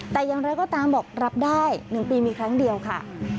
แต่อย่างไรก็ตามบอกรับได้๑ปีมีครั้งเดียวค่ะ